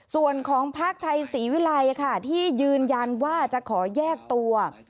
ส่วนของพักไทยศรีวิลัยค่ะที่ยืนยันว่าจะขอแยกตัว